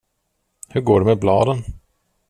Hur går det med bladen?